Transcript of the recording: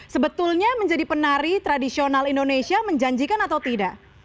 sebetulnya menjadi penari tradisional indonesia menjanjikan atau tidak